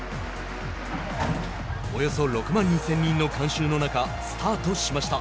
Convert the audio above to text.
およそ６万２０００人の観衆の中スタートしました。